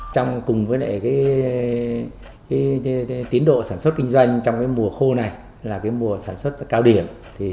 trong cùng với tiến độ sản xuất kinh doanh trong mùa khô này là mùa sản xuất cao điểm